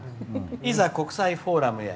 いざ国際フォーラムへ。